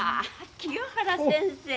清原先生。